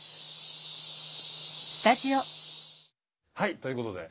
はいということで。